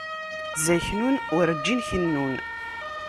Zaknun urǧin kennun.